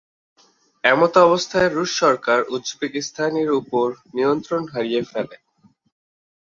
এমতাবস্থায় রুশ সরকার উজবেকিস্তানের ওপর নিয়ন্ত্রণ হারিয়ে ফেলে।